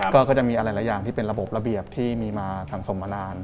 ก็จะมีอะไรหลายอย่างที่เป็นระบบระเบียบที่มีมาสังสมมานาน